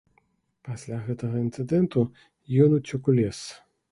Пасля гэтага інцыдэнту ён уцёк у лес.